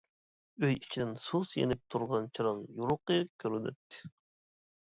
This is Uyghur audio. ئۆي ئىچىدىن سۇس يېنىپ تۇرغان چىراغ يورۇقى كۆرۈنەتتى.